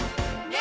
「ね！